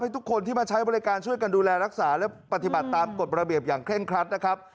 ทุกคนที่มาใช้บริการช่วยกันดูแลรักษาและปฏิบัติตามกฎระเบียบอย่างเคร่งครัดนะครับ